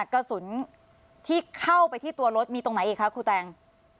กระสุนที่เข้าไปที่ตัวรถมีตรงไหนอีกคะครูแตง